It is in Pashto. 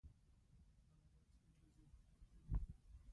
د خان اباد سیند وریجې خړوبوي